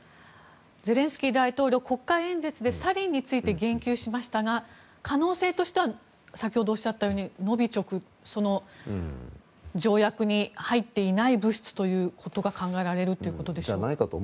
ゼレンスキー大統領国会演説でサリンについて言及しましたが可能性としては先ほどおっしゃったようにノビチョク、条約に入っていない物質ということが考えられるということでしょうか。